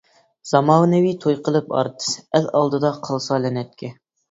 زامانىۋى توي قىلىپ ئارتىس، ئەل ئالدىدا قالسا لەنەتكە.